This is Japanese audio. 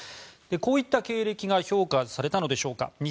こういった経歴が評価されたのでしょうか。